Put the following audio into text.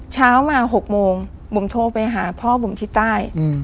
เช้ามา๖โมงบุ๋มโทรไปหาพ่อบุ๋มที่ใต้